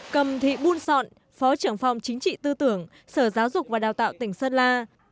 cầm thị buôn sọn phó trưởng phòng chính trị tư tưởng sở giáo dục và đào tạo tỉnh sơn la